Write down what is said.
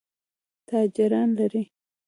تاجران لري.